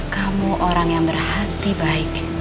kamu orang yang berhati baik